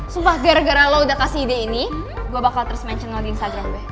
sumpah gara gara lo udah kasih ide ini gue bakal terus mention lagi instagram deh